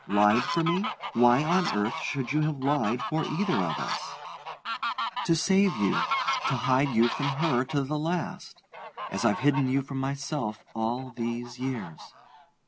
"Lied for me? Why on earth should you have lied for either of us?" "To save you to hide you from her to the last! As I've hidden you from myself all these years!"